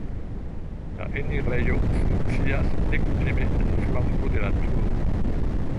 La enirejo funkcias nekutime en flanko de la turo.